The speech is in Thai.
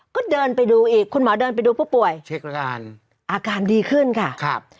ก็เดินไปดูอีกคุณหมอเดินไปดูผู้ป่วยเช็คอาการอาการดีขึ้นค่ะครับ